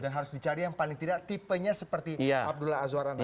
dan harus dicari yang paling tidak tipenya seperti abdullah azwarana